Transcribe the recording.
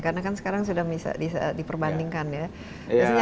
karena kan sekarang sudah bisa diperbandingkan ya